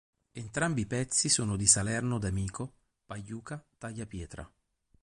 Entrambi i pezzi sono di Salerno-D'Amico-Pagliuca-Tagliapietra.